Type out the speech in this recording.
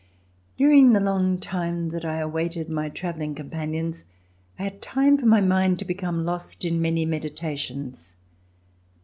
During the long time that I awaited my travelling companions, I had time for my mind to become lost in many meditations.